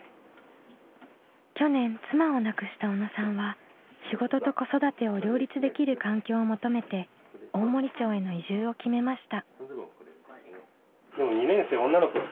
去年妻を亡くした小野さんは仕事と子育てを両立できる環境を求めて大森町への移住を決めました。